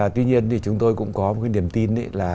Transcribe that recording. tuy nhiên thì chúng tôi cũng có một cái niềm tin là